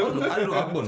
oh lu ada dua akun